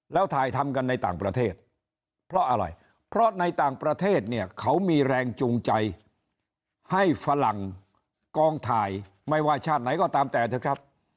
แล้วถ่ายทำกันในต่างประเทศเพราะอะไรเพราะในต่างประเทศเนี่ยเขามีแรงจูงใจให้ฝรั่งกองถ่ายไม่ว่าชาติไหนก็ตามแต่เถอะครับ